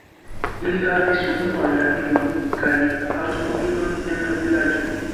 Ili havis unuaj radion kaj aŭtomobilon en la vilaĝo.